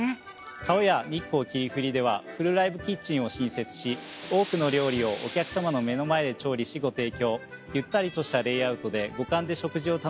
「ＴＡＯＹＡ日光霧降」ではフルライブキッチンを新設し多くの料理をお客さまの目の前で調理しご提供。となっています。